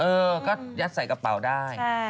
เออก็ยัดใส่กระเป๋าได้